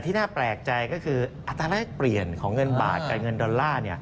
น่าแปลกใจก็คืออัตราแรกเปลี่ยนของเงินบาทกับเงินดอลลาร์